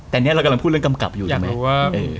แต่นี่เรากำลังพูดเรื่องกำกับอยู่ใช่ไหมว่า